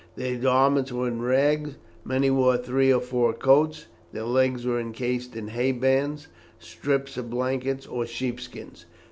Their garments were in rags. Many wore three or four coats. Their legs were encased in hay bands, strips of blanket, or sheep skins.